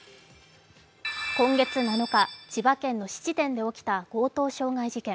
今月７日、千葉県の質店で起きた強盗傷害事件。